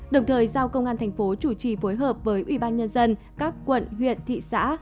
đồng thời giao công an tp hcm chủ trì phối hợp với ubnd các quận huyện thị xã